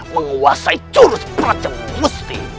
menguasai jurus praca musti